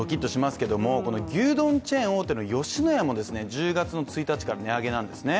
牛丼チェーン大手の吉野家も１０月１日から値上げなんですね。